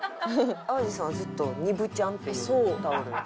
淡路さんはずっと丹生ちゃんっていうタオル。